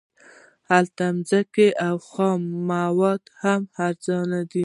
هلته ځمکې او خام مواد هم ارزانه دي